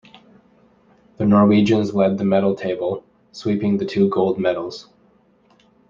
The Norwegians led the medal table, sweeping the two gold medals.